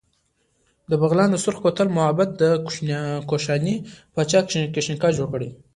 د بغلان د سورخ کوتل معبد د کوشاني پاچا کنیشکا جوړ کړی